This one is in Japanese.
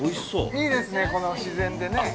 ◆いいですね、この自然でね。